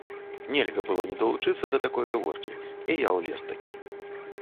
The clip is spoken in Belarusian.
Нельга было не далучыцца да такой гаворкі, і я ўлез-такі.